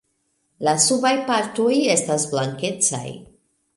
La subaj partoj estas blankecaj.